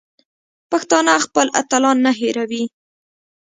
پښتانه خپل اتلان نه هېروي.